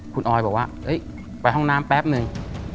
คุณออยบอกว่าไปห้องน้ำแป๊บนึง